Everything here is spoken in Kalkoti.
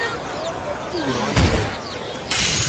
تو ران این۔ اؘ